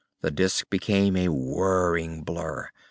The disc became a whirling blur.